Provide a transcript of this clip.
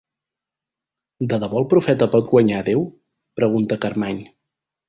De debò el profeta pot guanyar a déu? —pregunta Carmany.